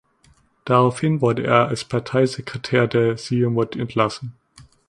Daraufhin wurde er als Parteisekretär der Siumut entlassen.